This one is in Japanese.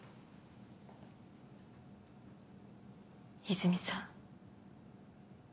泉さん。